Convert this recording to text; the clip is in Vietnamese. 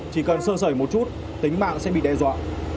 chỉ cần sơ sẩy một chút tính mạng sẽ bị đe dọa